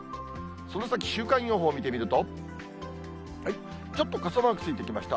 その先、週間予報を見てみると、ちょっと傘マークついてきました。